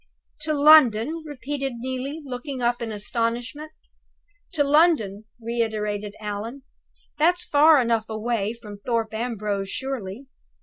"To London?" repeated Neelie, looking up in astonishment. "To London!" reiterated Allan. "That's far enough away from Thorpe Ambrose, surely?